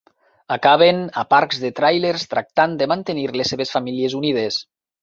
Acaben a parcs de tràilers tractant de mantenir les seves famílies unides.